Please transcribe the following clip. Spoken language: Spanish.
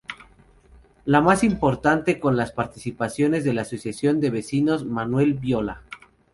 La más importante y con más participación es la Asociación de Vecinos "Manuel Viola".